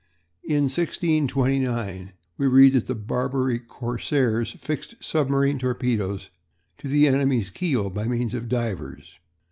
In 1629 we read that the Barbary corsairs fixed submarine torpedoes to the enemy's keel by means of divers.